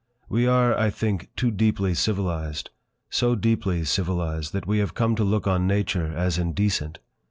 We are, I think, too deeply civilised, so deeply civilised that we have come to look on Nature as indecent.